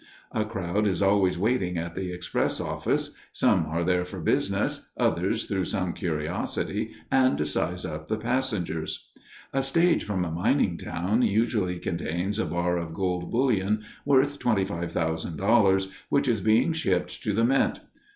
A crowd is always waiting at the express office; some are there for business, others through some curiosity and to size up the passengers. A stage from a mining town usually contains a bar of gold bullion worth $25,000, which is being shipped to the mint.